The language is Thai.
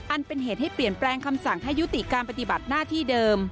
อันเป็นเหตุให้เปลี่ยนแปลงคำสั่งให้ยุติการปฏิบัติหน้าที่เดิม